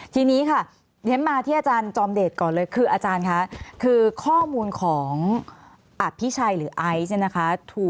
ทีนี้ค่ะเรียนมาที่อาจารย์จอมเดชก่อนเลยคืออาจารย์คะคือข้อมูลของอภิชัยหรือไอซ์เนี่ยนะคะ